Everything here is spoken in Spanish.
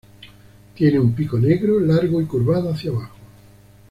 Tiene un pico negro largo y curvado hacia abajo.